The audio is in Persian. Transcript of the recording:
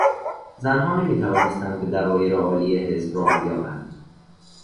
زنها نمیتوانستند به دوایر عالی حزب راه بیابند.